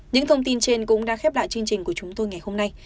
những thông tin trên cũng đã khép lại chương trình của chúng tôi ngày hôm nay